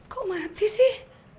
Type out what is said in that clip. kok mati sih